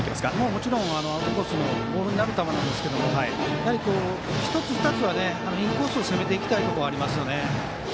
もちろんアウトコースのボールになる球ですが１つ、２つはインコースを攻めていきたいところがあります。